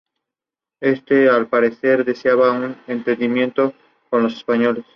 A las religiosas de este instituto se les conoce como Dominicas de la Paz.